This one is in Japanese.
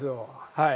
はい。